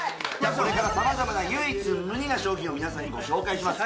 これから様々な唯一無二な商品を皆さんにご紹介します